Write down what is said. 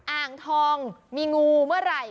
อ่างทองมีงูเมื่อไหร่